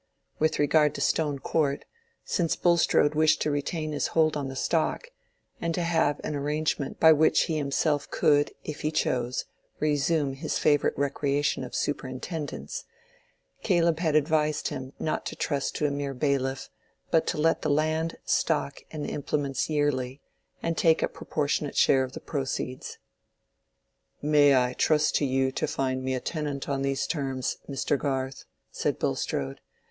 With regard to Stone Court, since Bulstrode wished to retain his hold on the stock, and to have an arrangement by which he himself could, if he chose, resume his favorite recreation of superintendence, Caleb had advised him not to trust to a mere bailiff, but to let the land, stock, and implements yearly, and take a proportionate share of the proceeds. "May I trust to you to find me a tenant on these terms, Mr. Garth?" said Bulstrode.